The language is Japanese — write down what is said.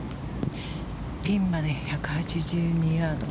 ピンまで１８２ヤード。